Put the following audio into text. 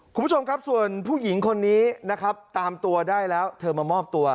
คุณผู้ชมครับส่วนผู้หญิงคนนี้นะครับตามตัวได้แล้วเธอมามอบตัว